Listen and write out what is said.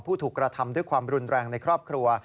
ผู้ถูกกระทำด้วยความรุนแรงในครอบครัว